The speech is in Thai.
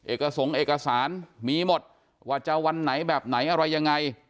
สงค์เอกสารมีหมดว่าจะวันไหนแบบไหนอะไรยังไง